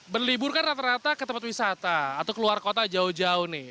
berlibur kan rata rata ke tempat wisata atau keluar kota jauh jauh nih